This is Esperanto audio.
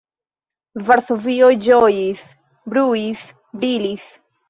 Varsovio ĝojis, bruis, brilis.